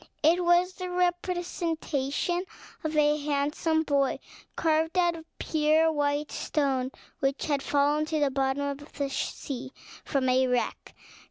It was the representation of a handsome boy, carved out of pure white stone, which had fallen to the bottom of the sea from a wreck.